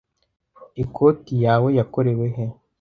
Ikoti yawe yakorewe he?